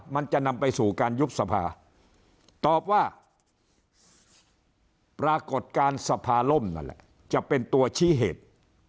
มันจะนำไปสู่การยุบสภาตอบว่าปรากฏการณ์สภาล่มนั่นแหละจะเป็นตัวชี้เหตุ